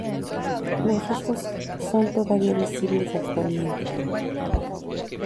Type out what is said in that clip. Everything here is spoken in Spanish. Los restos son todavía visibles actualmente.